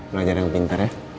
belajar yang pinter ya